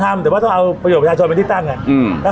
ทำแต่ว่าต้องเอาประโยชนประชาชนเป็นที่ตั้ง